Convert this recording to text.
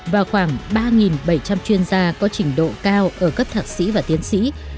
và khoảng ba bảy trăm linh chuyên gia có trình độ cao ở các thạc sĩ và tiến sĩ